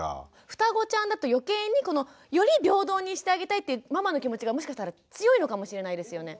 ふたごちゃんだと余計により平等にしてあげたいってママの気持ちがもしかしたら強いのかもしれないですよね。